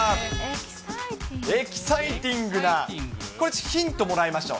エキサイティングな、これ、ヒントもらいましょう。